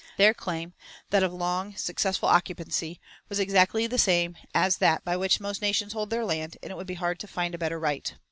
Their claim, that of long, successful occupancy, was exactly the same as that by which most nations hold their land, and it would be hard to find a better right.